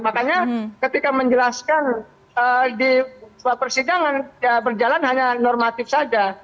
makanya ketika menjelaskan di sebuah persidangan ya berjalan hanya normatif saja